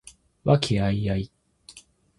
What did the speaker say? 和気藹々